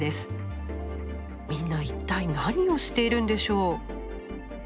みんな一体何をしているんでしょう？